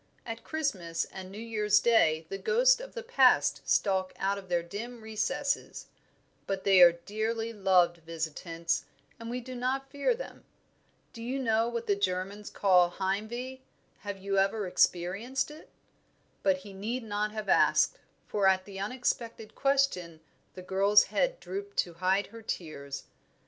At Christmas and New Year's Day the ghosts of the past stalk out of their dim recesses; but they are dearly loved visitants, and we do not fear them. Do you know what the Germans call 'heimweh?' Have you ever experienced it?" But he need not have asked, for at the unexpected question the girl's head drooped to hide her tears.